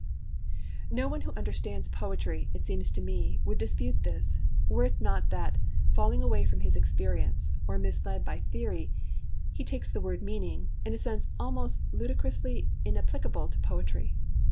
No one who understands poetry, it seems to me, would dispute this, were it not that, falling away from his experience, or misled by theory, he takes the word 'meaning' in a sense almost ludicrously inapplicable to poetry.